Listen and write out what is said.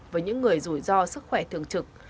với những người rủi ro sức khỏe thường trực